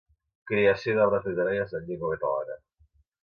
Creació d'obres literàries en llengua catalana.